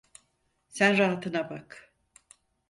Sen rahatına bak.